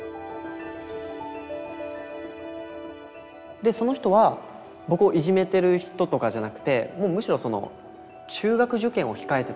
でその人は僕をいじめてる人とかじゃなくてむしろ中学受験を控えてたんですよね。